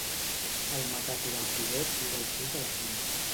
El macaco del Tibet viu al sud de la Xina.